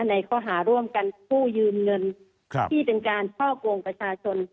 ในข้อหาร่วมกันกู้ยืมเงินที่เป็นการช่อกงประชาชน